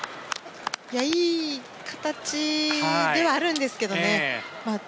いい形ではあるんですけどね。